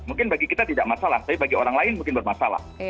mungkin bagi kita tidak masalah tapi bagi orang lain mungkin bermasalah